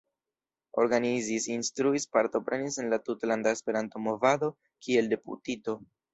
Organizis, instruis, partoprenis en la tutlanda esperanto-movado kiel deputito.